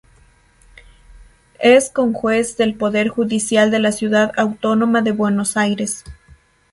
Es conjuez del Poder Judicial de la Ciudad Autónoma de Buenos Aires.